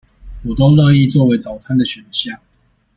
我都樂意作為早餐的選項